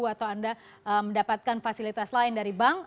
atau anda mendapatkan fasilitas lain dari bank